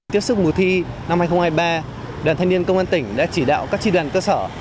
tiếp sức mùa thi năm hai nghìn hai mươi ba đoàn thanh niên công an tỉnh đã chỉ đạo các tri đoàn cơ sở